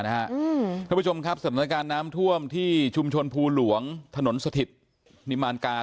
ท่านผู้ชมครับสถานการณ์น้ำท่วมที่ชุมชนภูหลวงถนนสถิตนิมานการ